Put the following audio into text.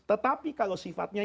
tetapi kalau sifatnya